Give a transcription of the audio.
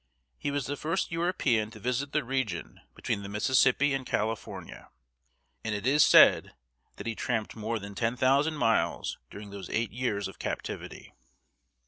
He was the first European to visit the region between the Mississippi and California, and it is said that he tramped more than ten thousand miles during those eight years of captivity.